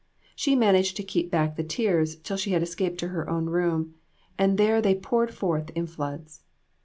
She managed to keep back the tears till she had escaped to her own room, and there they poured forth in floods.